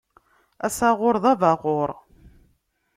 Asaɣur d abaɣur.